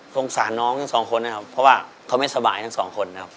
สงสารน้องทั้งสองคนนะครับเพราะว่าเขาไม่สบายทั้งสองคนนะครับ